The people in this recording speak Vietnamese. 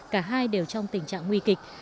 cả hai đều trong tình trạng nguy kịch